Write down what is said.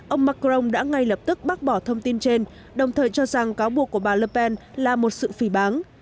ông macron đã ngay lập tức bác bỏ thông tin trên đồng thời cho rằng cáo buộc của bà lerpen là một sự phỉ bán